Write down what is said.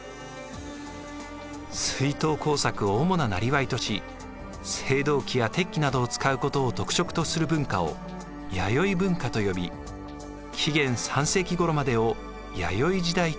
水稲耕作を主な生業とし青銅器や鉄器などを使うことを特色とする文化を弥生文化と呼び紀元３世紀ごろまでを弥生時代といいます。